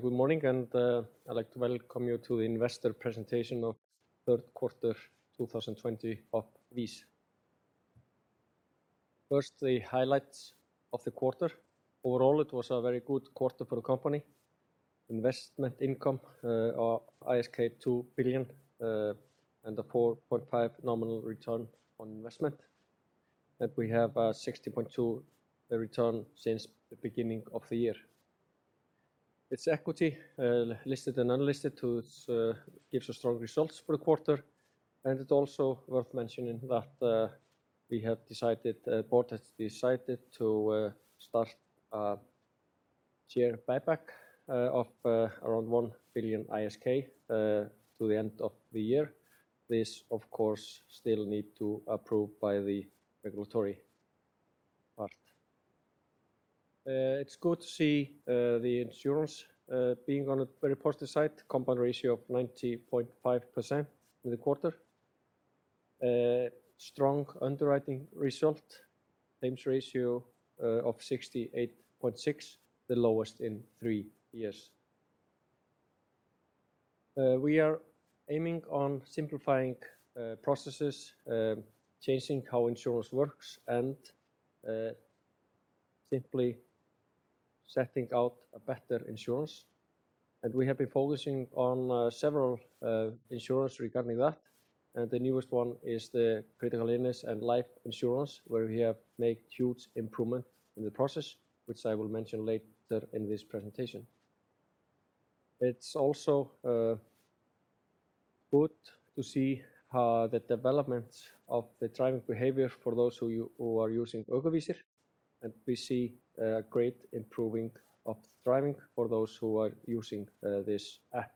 Good morning, and I'd like to welcome you to the investor presentation of third quarter 2020 of VÍS. First, the highlights of the quarter. Overall, it was a very good quarter for the company. Investment income of ISK 2 billion, and a 4.5% nominal return on investment. That we have a 60.2% return since the beginning of the year. Its equity, listed and unlisted, gives us strong results for the quarter, and it's also worth mentioning that the board has decided to start a share buyback of around 1 billion ISK to the end of the year. This, of course, still need to approve by the regulatory part. It's good to see the insurance being on a very positive side, combined ratio of 90.5% for the quarter. Strong underwriting result, claims ratio of 68.6%, the lowest in three years. We are aiming on simplifying processes, changing how insurance works, and simply setting out a better insurance. We have been focusing on several insurance regarding that, and the newest one is the critical illness and life insurance, where we have made huge improvement in the process, which I will mention later in this presentation. It's also good to see how the developments of the driving behavior for those who are using Ökuvísir, and we see a great improving of driving for those who are using this app.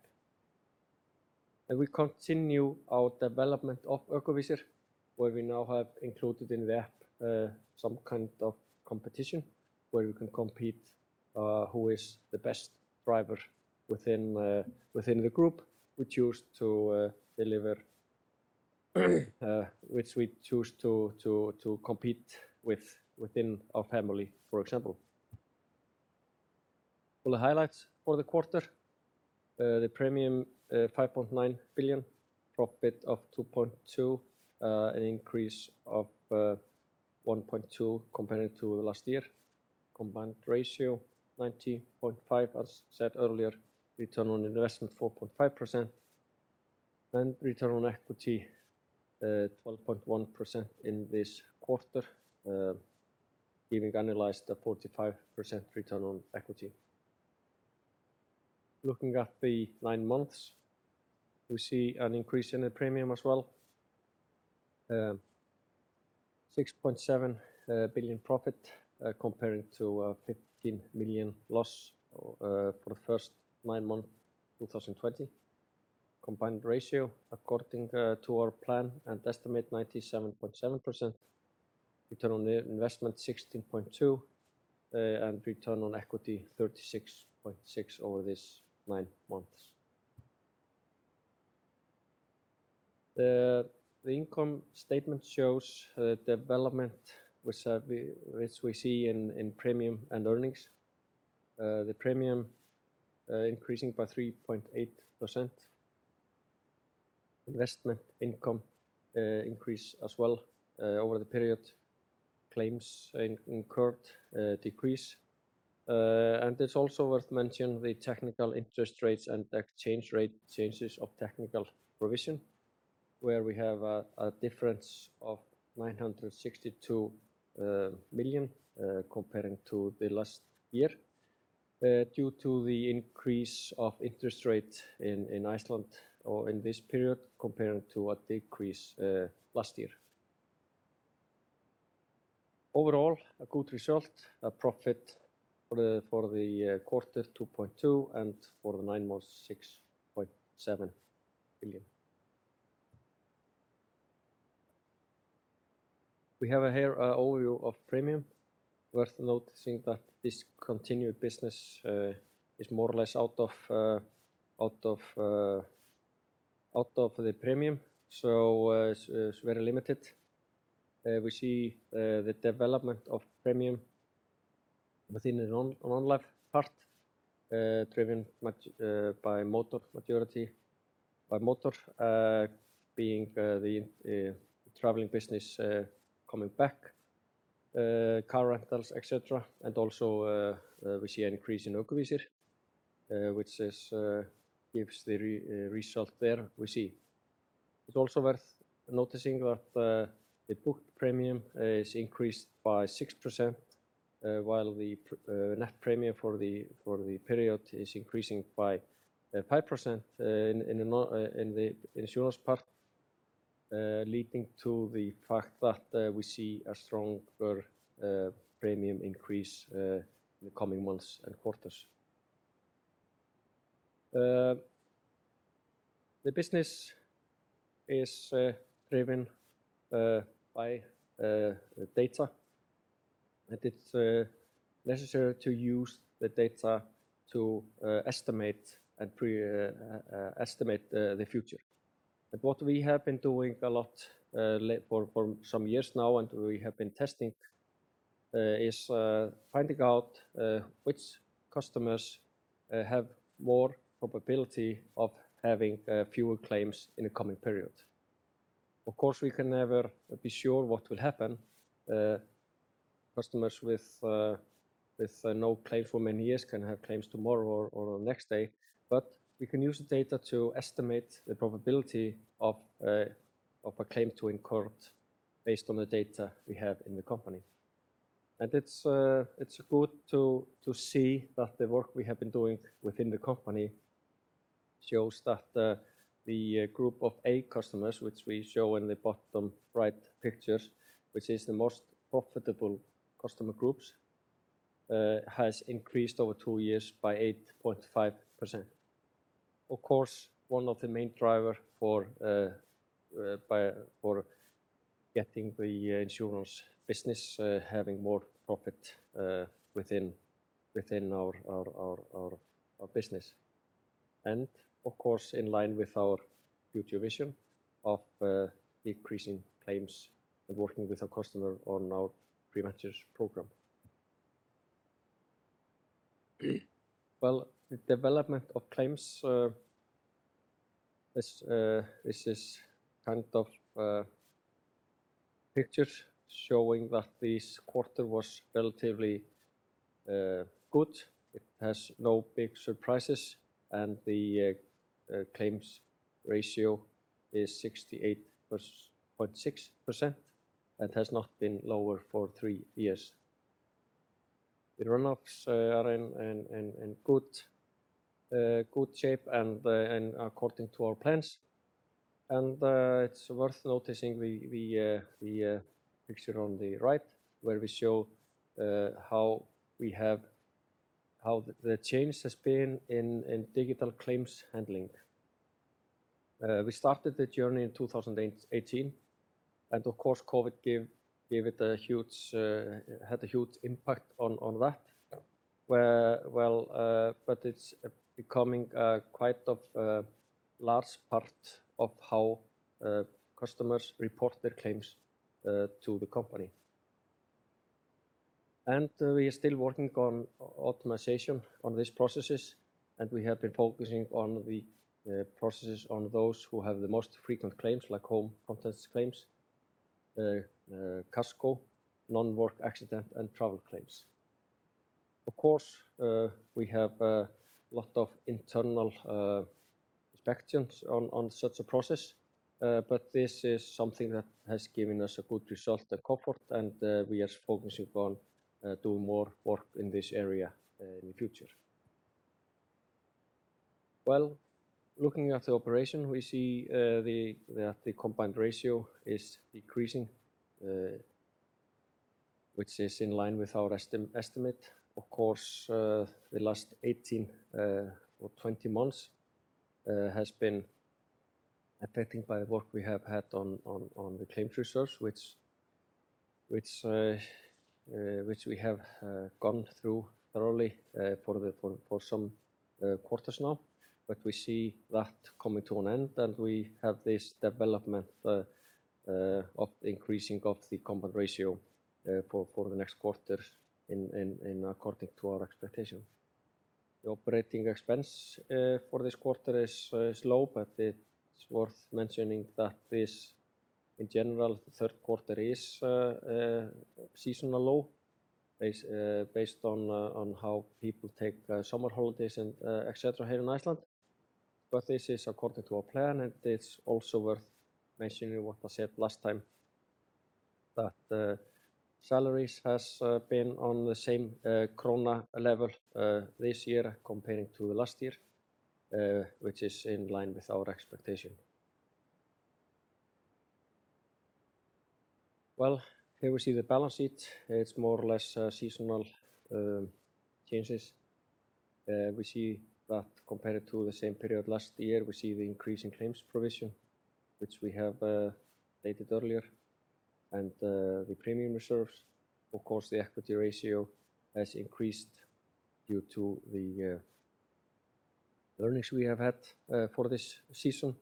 We continue our development of Ökuvísir, where we now have included in the app some kind of competition where you can compete who is the best driver within the group, which we to deliver, which we choose to compete within our family, for example. Full highlights for the quarter. The premium, 5.9 billion. Profit of 2.2 billion, an increase of 1.2 billion comparing to last year. Combined ratio, 90.5%, as said earlier. Return on investment, 4.5%. Return on equity, 12.1% in this quarter, giving annualized a 45% return on equity. Looking at the nine months, we see an increase in the premium as well. 6.7 billion profit comparing to a 15 million loss for the first nine month 2020. Combined ratio according to our plan and estimate, 97.7%. Return on investment, 16.2%, and return on equity, 36.6% over these nine months. The income statement shows the development which we see in premium and earnings. The premium increasing by 3.8%. Investment income increase as well over the period. Claims incurred decrease. It's also worth mentioning the technical interest rates and exchange rate changes of technical provision, where we have a difference of 962 million comparing to the last year due to the increase of interest rate in Iceland or in this period comparing to a decrease last year. Overall, a good result. A profit for the quarter, 2.2 billion, and for the nine months, 6.7 billion. We have here an overview of premium. Worth noticing that this continued business is more or less out of the premium, so it's very limited. We see the development of premium within the non-life part driven by motor majority, by motor being the traveling business coming back, car rentals, et cetera. Also, we see an increase in Ökuvísir, which gives the result there we see. It's also worth noticing that the booked premium is increased by 6%, while the net premium for the period is increasing by 5% in the insurance part, leading to the fact that we see a stronger premium increase in the coming months and quarters. The business is driven by data. It's necessary to use the data to estimate the future. What we have been doing a lot for some years now, and we have been testing is finding out which customers have more probability of having fewer claims in the coming period. Of course, we can never be sure what will happen. Customers with no claim for many years can have claims tomorrow or the next day, but we can use the data to estimate the probability of a claim to incur based on the data we have in the company. It's good to see that the work we have been doing within the company shows that the group of A customers, which we show in the bottom right pictures, which is the most profitable customer groups, has increased over two years by 8.5%. Of course, one of the main driver for getting the insurance business having more profit within our business. Of course, in line with our future vision of decreasing claims and working with our customer on our preventions program. Well, the development of claims. This is pictures showing that this quarter was relatively good. It has no big surprises, and the claims ratio is 68.6% and has not been lower for three years. The runoffs are in good shape and according to our plans. It's worth noticing the picture on the right, where we show how the change has been in digital claims handling. We started the journey in 2018. Of course, COVID had a huge impact on that. It's becoming quite a large part of how customers report their claims to the company. We are still working on optimization on these processes, and we have been focusing on the processes on those who have the most frequent claims, like home contents claims, Kaskó, non-work accident, and travel claims. Of course, we have a lot of internal inspections on such a process. This is something that has given us a good result and comfort. We are focusing on doing more work in this area in the future. Well, looking at the operation, we see that the combined ratio is decreasing, which is in line with our estimate. Of course, the last 18 or 20 months has been affected by work we have had on the claims reserves, which we have gone through thoroughly for some quarters now. We see that coming to an end, and we have this development of increasing of the combined ratio for the next quarter in according to our expectation. The operating expense for this quarter is low, but it's worth mentioning that this, in general, the third quarter is seasonal low based on how people take summer holidays and et cetera here in Iceland. This is according to our plan, and it's also worth mentioning what I said last time, that the salaries has been on the same krona level this year comparing to last year, which is in line with our expectation. Here we see the balance sheet. It's more or less seasonal changes. We see that compared to the same period last year, we see the increase in claims provision, which we have stated earlier, and the premium reserves. Of course, the equity ratio has increased due to the earnings we have had for this season.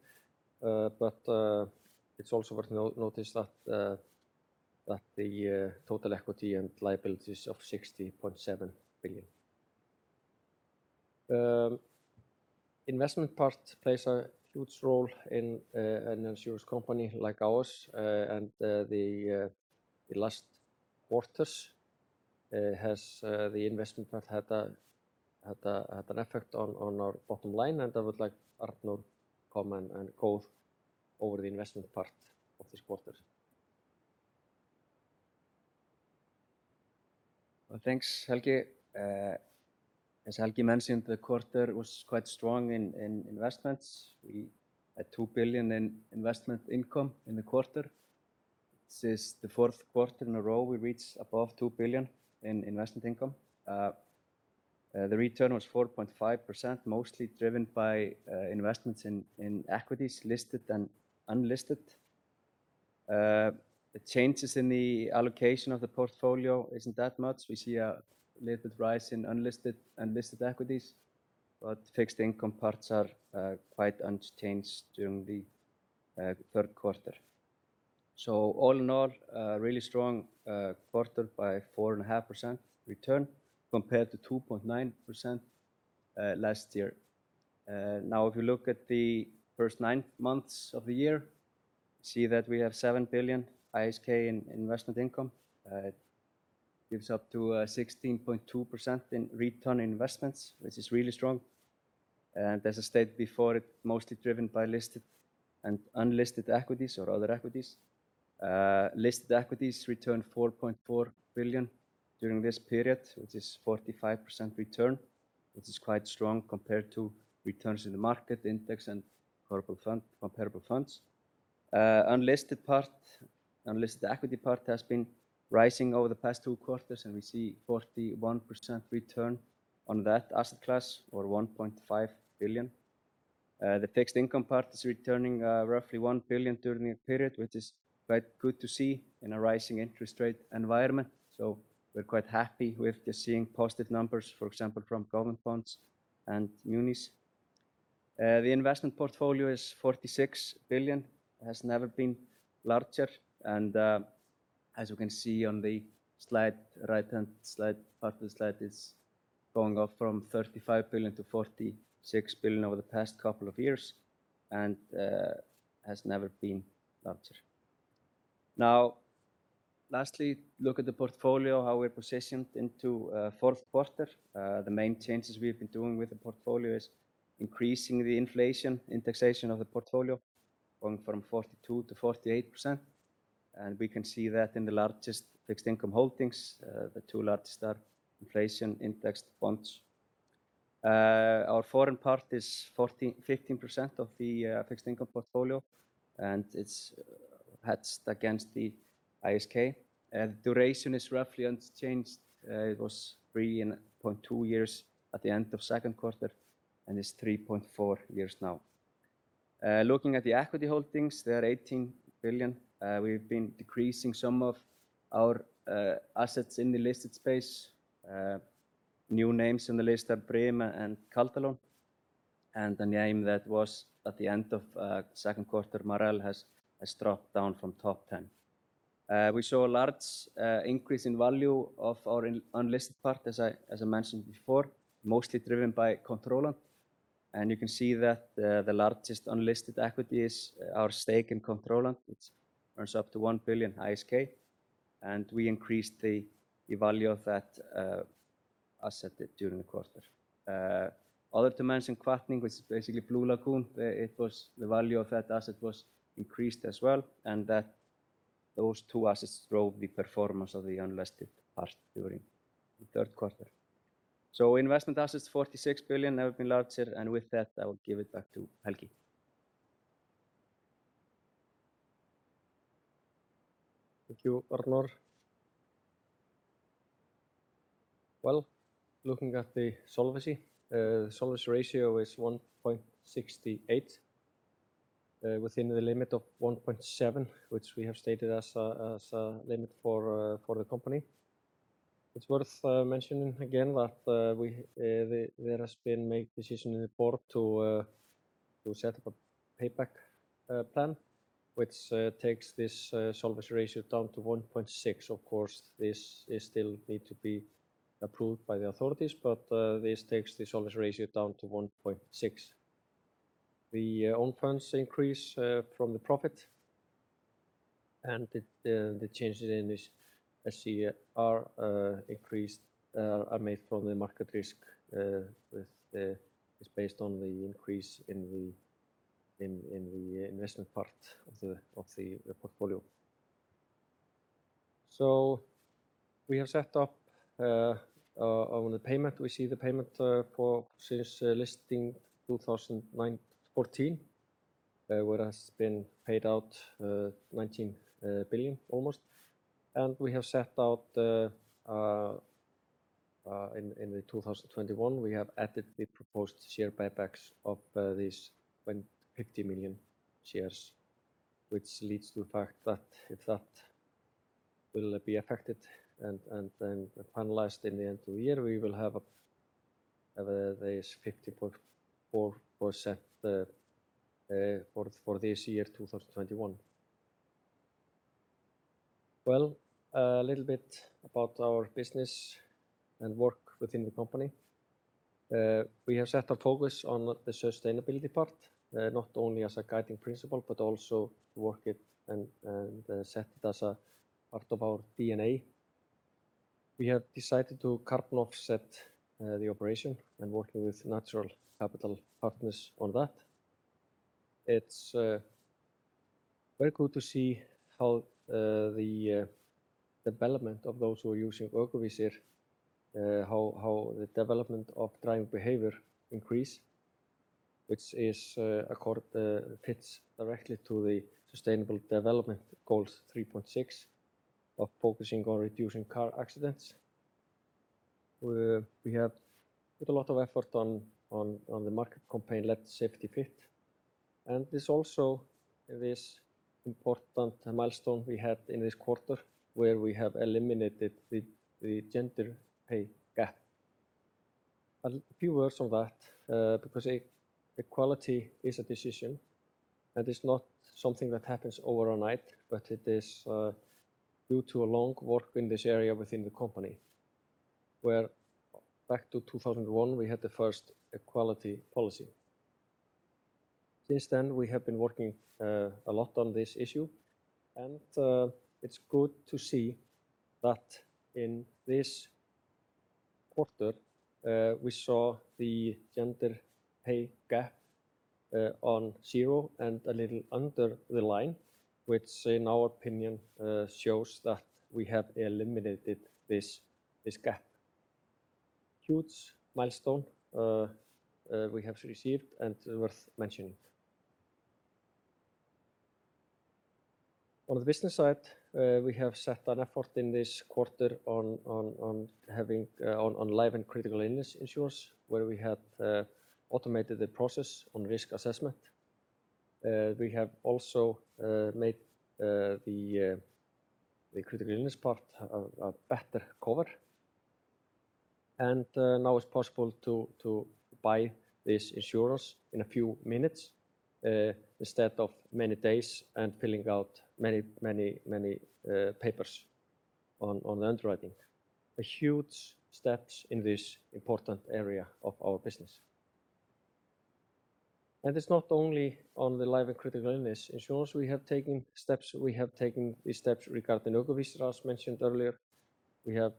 It's also worth notice that the total equity and liabilities of 60.7 billion. Investment part plays a huge role in an insurance company like ours, and the last quarters has the investment part had an effect on our bottom line, and I would like Arnór come and go over the investment part of this quarter. Thanks, Helgi. As Helgi mentioned, the quarter was quite strong in investments. We had 2 billion in investment income in the quarter. This is the fourth quarter in a row we reached above 2 billion in investment income. The return was 4.5%, mostly driven by investments in equities, listed and unlisted. The changes in the allocation of the portfolio isn't that much. We see a little bit rise in unlisted equities, but fixed income parts are quite unchanged during the third quarter. All in all, a really strong quarter by 4.5% return compared to 2.9% last year. If you look at the first nine months of the year, see that we have 7 billion ISK in investment income. It gives up to 16.2% in return on investments, which is really strong. As I stated before, it mostly driven by listed and unlisted equities or other equities. Listed equities returned 4.4 billion during this period, which is 45% return, which is quite strong compared to returns in the market index and comparable funds. Unlisted equity part has been rising over the past two quarters, and we see 41% return on that asset class or 1.5 billion. The fixed income part is returning roughly 1 billion during the period, which is quite good to see in a rising interest rate environment. We're quite happy with just seeing positive numbers, for example, from government bonds and munis. The investment portfolio is 46 billion, has never been larger and, as you can see on the right-hand part of the slide, is going up from 35 to 46 billion over the past couple of years and has never been larger. Lastly, look at the portfolio, how we're positioned into fourth quarter. The main changes we've been doing with the portfolio is increasing the inflation indexation of the portfolio, going from 42% to 48%. We can see that in the largest fixed income holdings, the two largest are inflation-indexed bonds. Our foreign part is 14%, 15% of the fixed income portfolio, and it's hedged against the ISK. Duration is roughly unchanged. It was 3.2 years at the end of second quarter and is 3.4 years now. Looking at the equity holdings, they are 18 billion. We've been decreasing some of our assets in the listed space. New names in the list are Brim and Kaldalón, and the name that was at the end of second quarter, Marel, has dropped down from top 10. We saw a large increase in value of our unlisted part as I mentioned before, mostly driven by Controlant, and you can see that the largest unlisted equity is our stake in Controlant, which earns up to 1 billion ISK, and we increased the value of that asset during the quarter. Other to mention, Hvatning, which is basically Blue Lagoon, the value of that asset was increased as well, and those two assets drove the performance of the unlisted part during the third quarter. Investment assets 46 billion, never been larger, and with that, I will give it back to Helgi. Thank you, Arnór. Well, looking at the solvency. Solvency ratio is 1.68, within the limit of 1.7, which we have stated as a limit for the company. It's worth mentioning again that there has been made decision in the board to set up a payback plan which takes this solvency ratio down to 1.6. Of course, this still need to be approved by the authorities, but this takes the solvency ratio down to 1.6. The own funds increase from the profit, and the changes in this SCR increased are made from the market risk. It's based on the increase in the investment part of the portfolio. We have set up on the payment. We see the payment since listing 2014, where has been paid out 19 billion almost. We have set out in 2021, we have added the proposed share buybacks of these 50 million shares, which leads to the fact that if that will be affected and then finalized in the end of the year, we will have this 50.4% for this year, 2021. Well, a little bit about our business and work within the company. We have set our focus on the sustainability part, not only as a guiding principle but also to work it and set it as a part of our DNA. We have decided to carbon offset the operation and working with Natural Capital Partners on that. It's very good to see how the development of those who are using Ökuvísir, how the development of driving behavior increase, which fits directly to the Sustainable Development Goal 3.6 of focusing on reducing car accidents. We have put a lot of effort on the market campaign, Let Safety Fit. This also this important milestone we had in this quarter where we have eliminated the gender pay gap. A few words on that, because equality is a decision and it's not something that happens overnight, but it is due to a long work in this area within the company, where back to 2001, we had the first equality policy. Since then, we have been working a lot on this issue, it's good to see that in this quarter, we saw the gender pay gap on zero and a little under the line, which in our opinion, shows that we have eliminated this gap. Huge milestone we have received and worth mentioning. On the business side, we have set an effort in this quarter on life and critical illness insurance, where we have automated the process on risk assessment. We have also made the critical illness part a better cover, and now it's possible to buy this insurance in a few minutes instead of many days and filling out many papers on the underwriting. A huge steps in this important area of our business. It's not only on the life and critical illness insurance we have taken these steps regarding Ökuvísir as mentioned earlier. We have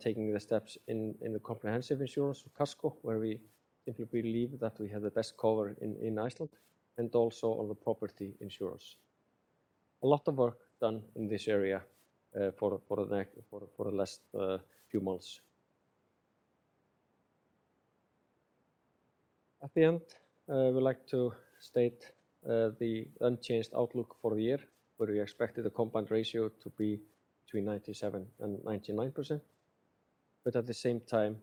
taken the steps in the comprehensive insurance, Kaskó, where we simply believe that we have the best cover in Iceland, and also on the property insurance. A lot of work done in this area for the last few months. At the end, I would like to state the unchanged outlook for the year, where we expected the combined ratio to be between 97% and 99%. At the same time,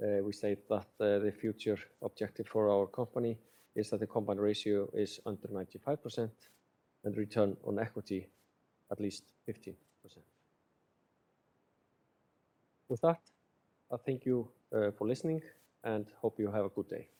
we say that the future objective for our company is that the combined ratio is under 95% and return on equity at least 15%. With that, I thank you for listening and hope you have a good day. Thank you.